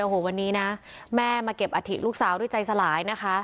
โอ้โหวันนี้นะแม่มาเก็บอัฐิลูกสาวด้วยใจสลายนะคะ